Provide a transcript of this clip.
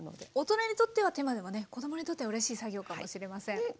ねっ大人にとっては手間でもね子どもにとってはうれしい作業かもしれません。